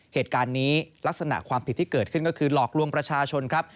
เหตุการณ์นี้ลักษณะความผิดที่เกิดขึ้นก็คือหลอกลวงประชาชนครับ